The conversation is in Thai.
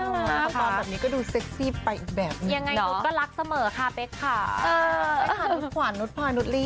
ห่วงเรื่องสุขภาพ